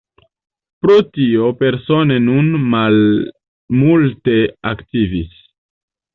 Pro tio Persone nun malmulte aktivas.